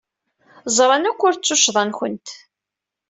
Ẓran akk ur d tuccḍa-nwent.